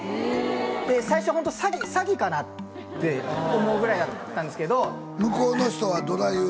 最初ホント詐欺かな？って思うぐらいだったんですけど。